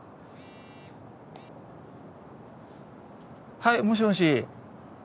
はいもしもし。